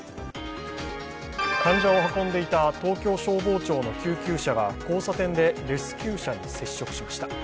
患者を運んでいた東京消防庁の救急車が交差点でレスキュー車に接触しました。